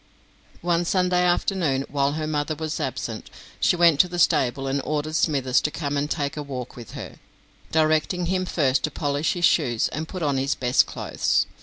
One Sunday afternoon, while her mother was absent, she went to the stable and ordered Smithers to come and take a walk with her, directing him first to polish his shoes and put on his best clothes.